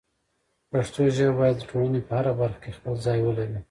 پښتو ژبه باید د ټولنې په هره برخه کې خپل ځای ولري.